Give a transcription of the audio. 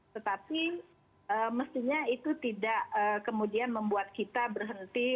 tetapi mestinya itu tidak kemudian membuat kita berhenti